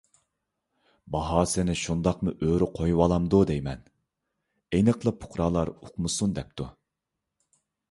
باھاسىنى شۇنداقمۇ ئۆرە قويۇۋالامدۇ دەيمەن؟ ئېنىقلا پۇقرالار ئۇقمىسۇن دەپتۇ.